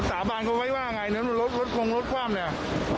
แล้วสาบานเขาไว้ว่าอย่างไรเหมือนมันรถคงรถความเนี่ย